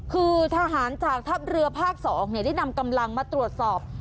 คือทหารจากทัพเรือภาค๒ได้นำกำลังมาตรวจสอบ